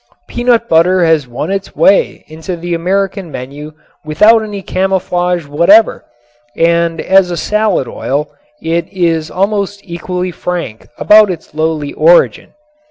Peanut butter has won its way into the American menu without any camouflage whatever, and as a salad oil it is almost equally frank about its lowly origin.